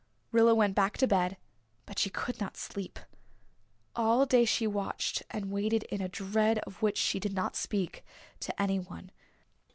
Rilla went back to bed but she could not sleep. All day she watched and waited in a dread of which she did not speak to anyone.